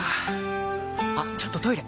あっちょっとトイレ！